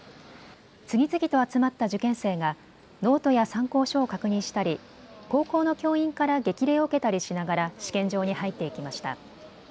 次々と集まった受験生がノートや参考書を確認したり高校の教員から激励を受けたりしながら試験場に入っていきました。